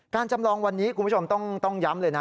จำลองวันนี้คุณผู้ชมต้องย้ำเลยนะ